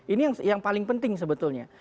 ini yang paling penting sebetulnya